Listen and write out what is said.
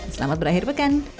selamat berakhir pekan